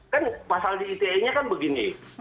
kan pasal di ite nya kan begini